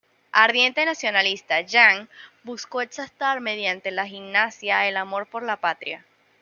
Ardiente nacionalista, Jahn buscó exaltar mediante la gimnasia el amor por la patria.